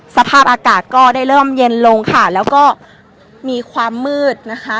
สภาพอากาศก็ได้เริ่มเย็นลงค่ะแล้วก็มีความมืดนะคะ